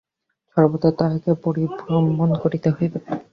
সর্বদা তাঁহাকে পরিভ্রমণ করিতে হইবে।